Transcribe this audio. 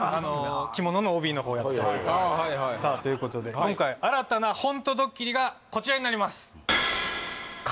着物の帯の方やったとさあということで今回新たなホントドッキリがこちらになります